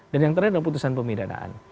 dan yang terakhir adalah putusan pemidanaan